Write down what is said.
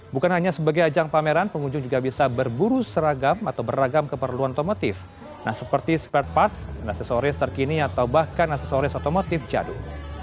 bukan hanya sebagai ajang pameran pengunjung juga bisa berburu seragam atau beragam keperluan otomotif seperti spare part aksesoris terkini atau bahkan aksesoris otomotif jadul